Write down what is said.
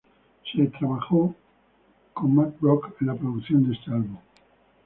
Se trabajo con Mack Brock, en la producción de este álbum.